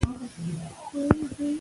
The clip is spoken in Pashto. که پاملرنه کمه سي نو ستونزه راځي.